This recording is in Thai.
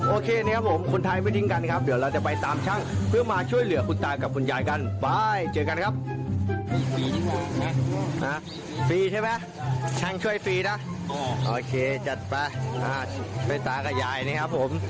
โอเคจัดไปช่วยตากับยายนะครับผม